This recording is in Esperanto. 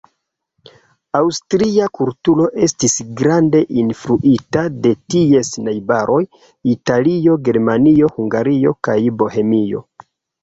Aŭstria kulturo estis grande influita de ties najbaroj, Italio, Germanio, Hungario kaj Bohemio.